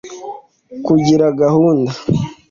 Kugira gahunda